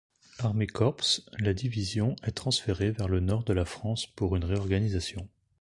Armeekorps, la division est transférée vers le nord de la France pour une réorganisation.